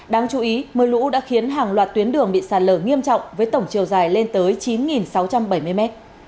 đáng chú ý mưa lũ đã khiến hàng loạt tuyến đường bị sạt lở nghiêm trọng với tổng chiều dài lên tới chín sáu trăm bảy mươi m